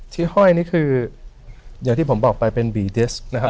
ห้อยนี่คืออย่างที่ผมบอกไปเป็นบีเดสนะครับ